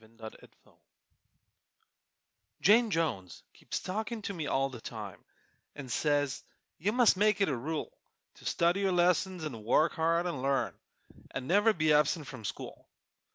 _ Jane Jones Jane Jones keeps talkin' to me all the time, An' says you must make it a rule To study your lessons 'nd work hard 'nd learn, An' never be absent from school.